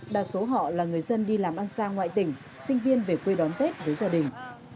đa số họ là người dân đi làm ăn xa ngoại tỉnh sinh viên về quê đón tết với gia đình